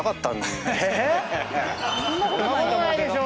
そんなことないでしょ！